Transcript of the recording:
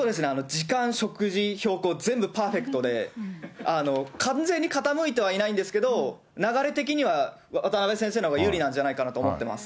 時間、食事、標高、全部パーフェクトで、完全に傾いてはいないんですけど、流れ的には渡辺先生のほうが有利なんじゃないかなと思ってます。